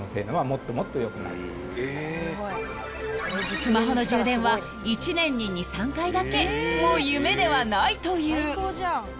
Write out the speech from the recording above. ［スマホの充電は１年に２３回だけも夢ではないという］